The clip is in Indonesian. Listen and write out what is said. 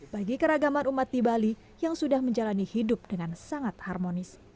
bagi keragaman umat di bali yang sudah menjalani hidup dengan sangat harmonis